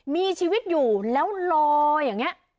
มีชีวิตอยู่แล้วรออย่างนี้